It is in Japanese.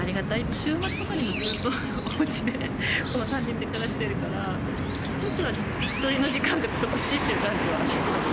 週末とかにもずっとおうちで３人で過ごしてるから、少しは１人の時間がちょっと欲しいっていう感じはあります。